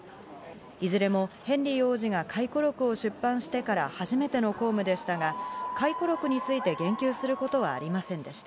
いずれもヘンリー王子が回顧録を出版してから初めての公務でしたが、回顧録について言及することはありませんでした。